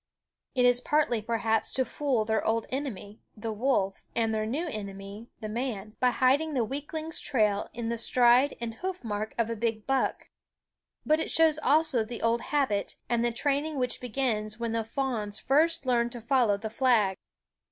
It is partly, perhaps, to fool their old enemy, the wolf, and their new enemy, the man, by hiding the weakling's trail in the stride and hoof mark of a big buck; but it shows also the old habit, and the training which begins when the fawns first learn to follow the flag.